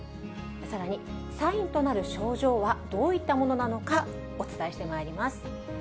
さらにサインとなる症状はどういったものなのか、お伝えしてまいります。